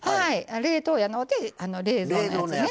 冷凍やのうて冷蔵のやつね。